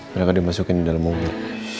mereka dimasukin ke dalam mobil